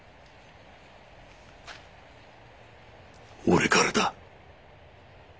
俺からだ。